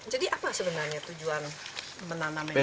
jadi apa sebenarnya tujuan menanam ini